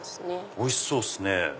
おいしそうですね。